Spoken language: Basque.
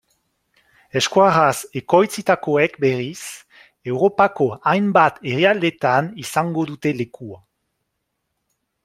Euskaraz ekoitzitakoek berriz, Europako hainbat herrialdetan izango dute lekua.